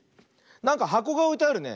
なんかはこがおいてあるね。